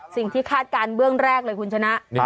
สิ่งที่คาดการณ์เบื้องแรกเลยคุณชนะ